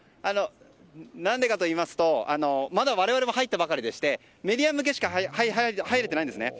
というのも、まだ我々も入ったばかりでしてメディアの方しか入れていないんですね。